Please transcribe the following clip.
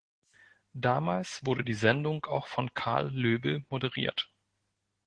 Damals wurde die Sendung auch von Karl Löbl moderiert.